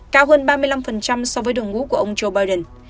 cao hơn ba mươi năm so với đồng ngũ của ông joe biden